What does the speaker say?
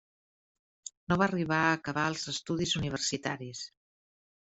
No va arribar a acabar els estudis universitaris.